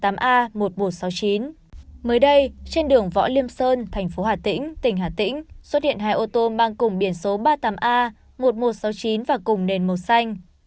mới đây trên đường võ liêm sơn thành phố hà tĩnh tỉnh hà tĩnh xuất hiện hai ô tô mang cùng biển số ba mươi tám a một nghìn một trăm sáu mươi chín và cùng nền màu xanh